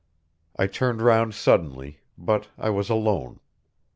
I turned round suddenly, but I was alone.